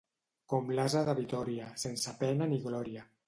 Com l'ase de Vitòria, sense pena ni glòria.